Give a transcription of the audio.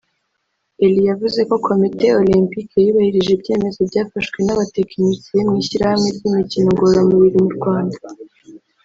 Elie yavuze ko Komite Olempike yubahirije ibyemezo byafashwe na batekinisiye bo mu ishyiramawe ry’imikino ngororamubiri mu Rwanda